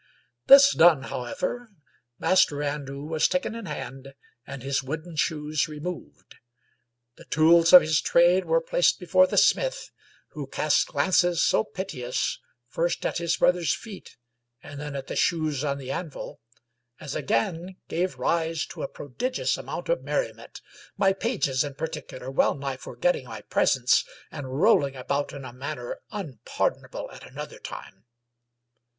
This done, however, Master Andrew was taken in hand and his wooden shoes removed. The tools of his trade were placed before the smith, who cast glances so piteous, first at his brother's feet and then at the shoes on the anvil, as again gave rise to a prodigious amount of merriment, my pages in particular well nigh forgetting my presence, and rolling about in a manner unpardonable at another time.